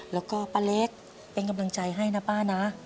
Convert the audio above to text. แล้วก็ป้าเล็กเป็นกำลังใจให้นะป้านะ